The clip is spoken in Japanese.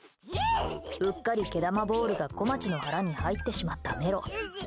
うっかり毛玉ボールがこまちの腹に入ってしまったメロ。